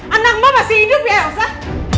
anak mbak masih hidup ya ya usah